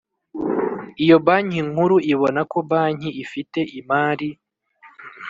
Iyo banki nkuru ibona ko banki ifite imari